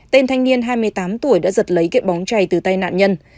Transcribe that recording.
tên thanh niên hai mươi tám tuổi đã giật lấy cái bóng chày từ tay nạn nhân